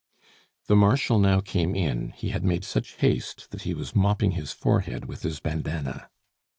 The Marshal now came in; he had made such haste, that he was mopping his forehead with his bandana.